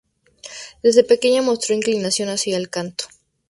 Desde pequeña mostró inclinación hacia el canto.